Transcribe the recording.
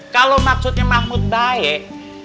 kalo maksudnya mahmud baik